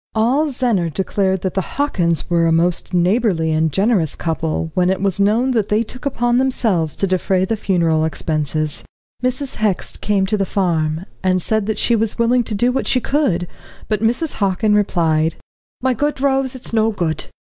All Zennor declared that the Hockins were a most neighbourly and generous couple, when it was known that they took upon themselves to defray the funeral expenses. Mrs. Hext came to the farm, and said that she was willing to do what she could, but Mrs. Hockin replied: "My good Rose, it's no good.